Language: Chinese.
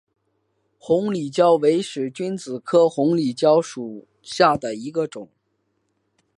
红里蕉为使君子科红里蕉属下的一个种。